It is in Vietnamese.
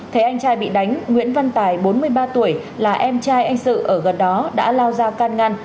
thấy anh trai bị đánh nguyễn văn tài bốn mươi ba tuổi là em trai anh sự ở gần đó đã lao ra can ngăn